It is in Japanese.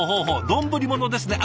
丼物ですね。